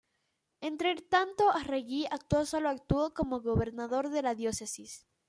Entretanto, Arregui actuó solo actuó como gobernador de la diócesis.